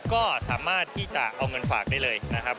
ก็สามารถที่จะเอาเงินฝากได้เลยนะครับ